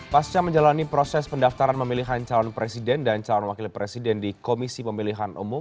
pasca menjalani proses pendaftaran pemilihan calon presiden dan calon wakil presiden di komisi pemilihan umum